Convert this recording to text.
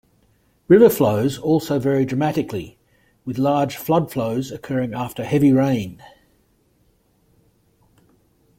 River flows also vary dramatically, with large flood flows occurring after heavy rain.